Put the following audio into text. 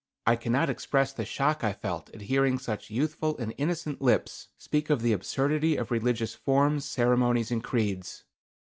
I cannot express the shock I felt at hearing such youthful and innocent lips speak of the absurdity of religious forms, ceremonies, and creeds.